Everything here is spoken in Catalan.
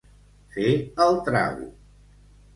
Fer el trago.